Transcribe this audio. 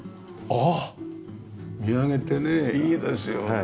ああ見上げてねいいですよね。